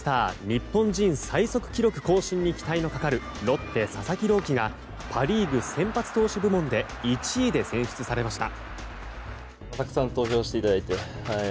日本人最速記録更新に期待のかかるロッテ、佐々木朗希がパ・リーグ先発投手部門で１位で選出されました。